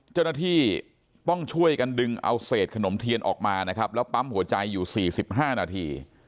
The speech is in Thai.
เจ้าหน้าที่ต้องช่วยกันดึงเอาเศษขนมเทียนออกมานะครับแล้วปั๊มหัวใจอยู่๔๕นาที